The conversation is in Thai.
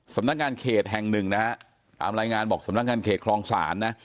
สำนักงานเขตแห่งหนึ่งนะฮะตามรายงานบอกสำนักงานเขตคลองศาลนะ